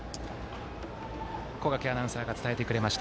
小掛アナウンサーが伝えてくれました。